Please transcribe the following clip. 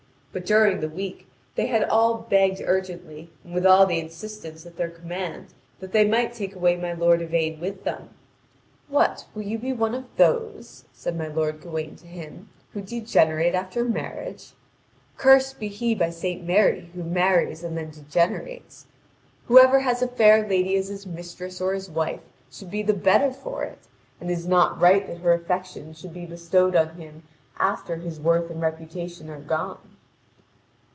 But during the week they had all begged urgently, and with all the insistence at their command, that they might take away my lord Yvain with them. "What? Will you be one of those." said my lord Gawain to him, "who degenerate after marriage? Cursed be he by Saint Mary who marries and then degenerates! Whoever has a fair lady as his mistress or his wife should be the better for it, and it is not right that her affection should be bestowed on him after his worth and reputation are gone.